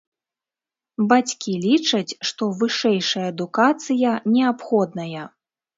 Бацькі лічаць, што вышэйшая адукацыя неабходная.